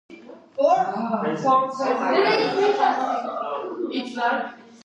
თეიმურაზ ჩირგაძე პარალელურად მოღვაწეობდა კინოშიც.